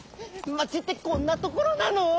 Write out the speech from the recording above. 町ってこんなところなの？